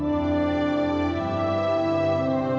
menemukan keluarga distance